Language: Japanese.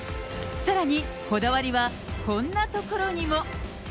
さらに、こだわりはこんなところにも。